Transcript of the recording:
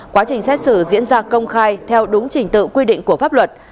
quá trình xét xử diễn ra công khai theo đúng trình tự quy định của pháp luật